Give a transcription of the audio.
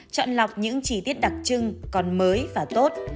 chọn lọc những chi tiết đặc trưng còn mới và tốt